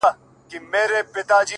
ستا د خولې سا،